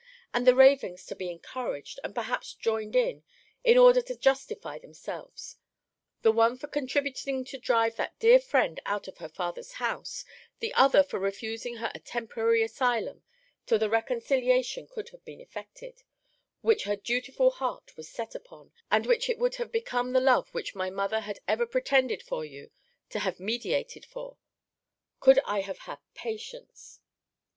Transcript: and the ravings to be encouraged, and perhaps joined in, in order to justify themselves; the one for contributing to drive that dear friend out of her father's house; the other for refusing her a temporary asylum, till the reconciliation could have been effected, which her dutiful heart was set upon; and which it would have become the love which my mother had ever pretended for you, to have mediated for Could I have had patience!